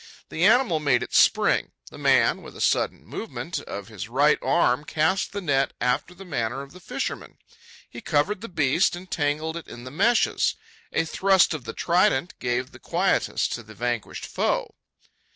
The animal made its spring. The man, with a sudden movement of his right arm, cast the net after the manner of the fishermen; he covered the beast and tangled it in the meshes. A thrust of the trident gave the quietus to the vanquished foe.